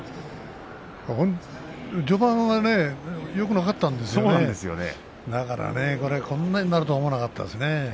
序盤はよくなかったんですよねだからこんなになるとは思わなかったですね。